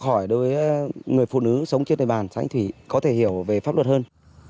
hỏi đối với người phụ nữ sống trên địa bàn xã ánh thủy có thể hiểu về pháp luật hơn